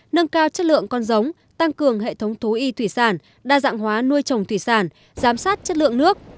nâng cao chất lượng con giống tăng cường hệ thống thú y thủy sản đa dạng hóa nuôi trồng thủy sản giám sát chất lượng nước